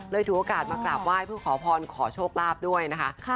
ถือโอกาสมากราบไหว้เพื่อขอพรขอโชคลาภด้วยนะคะ